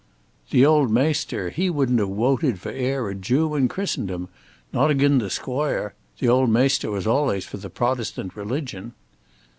"The old maister, he wouldn't a woted for ere a Jew in Christendom, not agin the squoire. The old maister was allays for the Protestant religion."